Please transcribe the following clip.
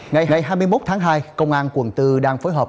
ngày hai mươi một tháng hai công an quận bốn đang phối hợp